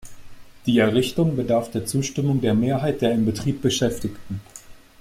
Die Errichtung bedarf der Zustimmung der Mehrheit der im Betrieb Beschäftigten.